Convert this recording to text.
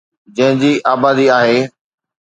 جنهن جي آبادي آهي.